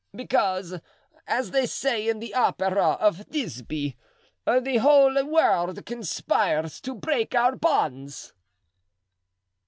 "Because, as they say in the opera of 'Thisbe,' 'The whole world conspires to break our bonds.